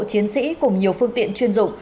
chiến sĩ cùng nhiều phương tiện chuyên dụng